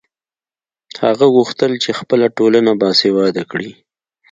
هغه غوښتل چې خپله ټولنه باسواده کړي.